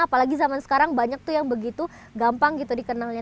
apalagi zaman sekarang banyak yang begitu gampang dikenalnya